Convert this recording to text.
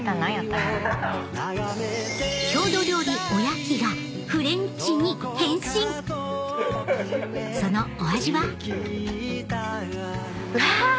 郷土料理「おやき」がフレンチに変身そのお味は？うわ！